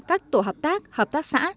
các tổ hợp tác hợp tác xã